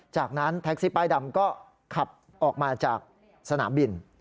จากนั้นแท็กซี่ป้ายดำก็ขับออกมาจากสนามบิน